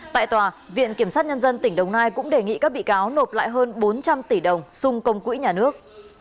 tại tòa viện kiểm sát nhân dân tỉnh đồng nai cũng đề nghị các bị cáo nộp lại hơn bốn trăm linh tỷ đồng xung công quỹ nhà nước